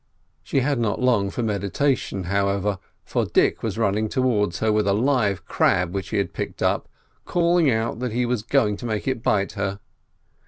She had not long for meditation, however, for Dick was running towards her with a live crab which he had picked up, calling out that he was going to make it bite her.